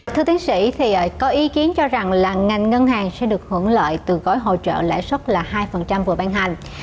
thưa tiến sĩ thì có ý kiến cho rằng là ngành ngân hàng sẽ được hưởng lợi từ gói hỗ trợ lãi suất là hai vừa ban hành